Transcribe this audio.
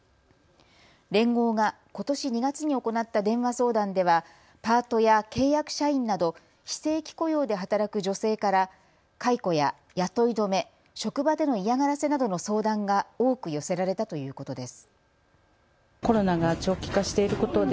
連合がことし２月に行った電話相談ではパートや契約社員など非正規雇用で働く女性から解雇や雇い止め、職場での嫌がらせなどの相談が多く寄せられたということです。